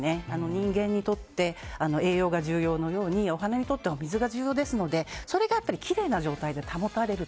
人間にとって栄養が重要なようにお花にとってはお水が重要ですのでそれがきれいな状態で保たれる。